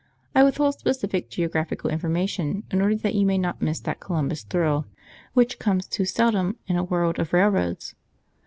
I withhold specific geographical information in order that you may not miss that Columbus thrill, which comes too seldom in a world of railroads.